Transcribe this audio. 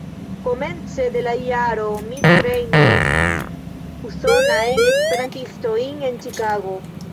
Komence de la jaro mi trejnis Usonajn Esperantistojn en Ĉikago.